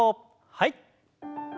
はい。